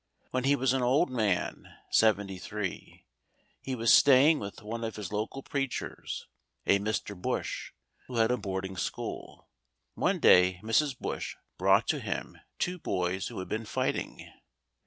When he was an old man, seventy three, he was staying with one of his local preachers, a Mr. Bush, who had a boarding school. One day Mrs. Bush brought to him two boys who had been fighting.